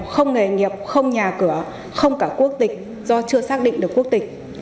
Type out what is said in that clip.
không nghề nghiệp không nhà cửa không cả quốc tịch do chưa xác định được quốc tịch